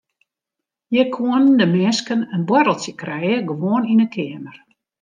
Hjir koenen de minsken in boarreltsje krije gewoan yn de keamer.